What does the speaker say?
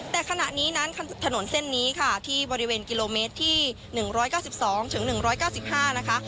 และขณะนี้นั้นถนนเส้นนี้ค่ะที่บริเวณกิโลเมตรที่หนึ่งร้อยเก้าสิบสองถึงหนึ่งร้อยเก้าสิบห้านะคะ